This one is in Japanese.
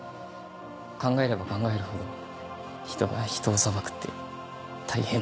考えれば考えるほど人が人を裁くって大変なことだな。